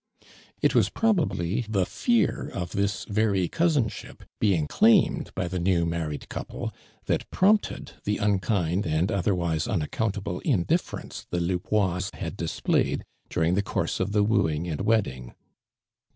'' It wa8 probable the fear of this very cou Hinsliip being claimed by the new married couple, that prompted the unkind and otherwise unaccountable indifference the Lubois had displayed during the course of the wooing and wedding.